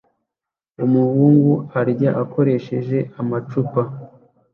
Umuhungu arya akoresheje amacupa